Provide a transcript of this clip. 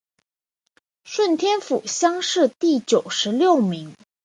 顺天府乡试第九十六名。